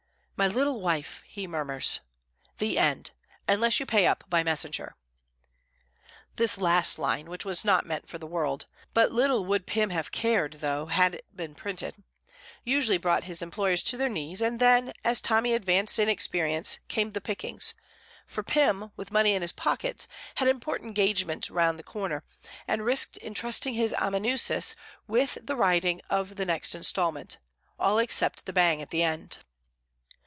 'My little wife!' he murmurs. The End unless you pay up by messenger." This last line, which was not meant for the world (but little would Pym have cared though it had been printed), usually brought his employers to their knees; and then, as Tommy advanced in experience, came the pickings for Pym, with money in his pockets, had important engagements round the corner, and risked intrusting his amanuensis with the writing of the next instalment, "all except the bang at the end."